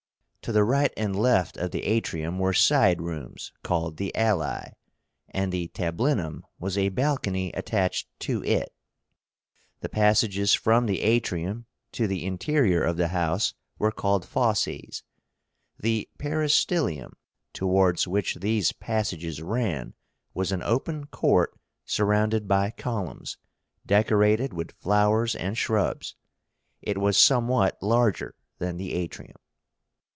To the right and left of the Atrium were side rooms called the ALAE, and the TABLÍNUM was a balcony attached to it. The passages from the Atrium to the interior of the house were called FAUCES. The PERISTYLIUM, towards which these passages ran, was an open court surrounded by columns, decorated with flowers and shrubs. It was somewhat larger than the Atrium.